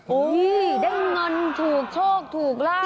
โอ้ยได้เงินถูกโชคถูกราบ